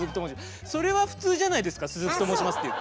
それは普通じゃないですか「鈴木と申します」っていう。